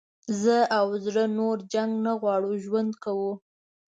زه او زړه نور جنګ نه غواړو ژوند کوو.